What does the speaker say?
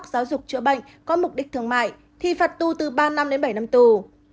giáo dục chữa bệnh có mục đích thương mại thì phạt tu từ ba năm đến bảy năm tù